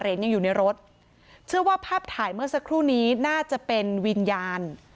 ยังอยู่ในรถเชื่อว่าภาพถ่ายเมื่อสักครู่นี้น่าจะเป็นวิญญาณ